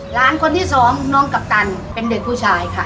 หลานคนที่สองน้องกัปตันเป็นเด็กผู้ชายค่ะ